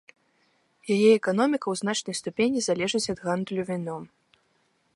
Яе эканоміка ў значнай ступені залежыць ад гандлю віном.